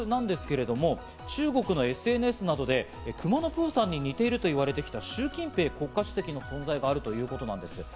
この背景、臆測なんですけれども、中国のＳＮＳなどで、くまのプーさんに似ていると言われてきたシュウ・キンペイ国家主席の存在があるということなんです。